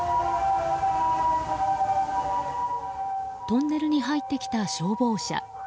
トンネルに入ってきた消防車。